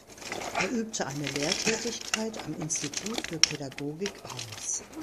Er übte eine Lehrtätigkeit am Institut für Pädagogik aus.